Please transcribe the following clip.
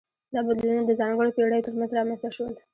دا بدلونونه د ځانګړو پیړیو ترمنځ رامنځته شول.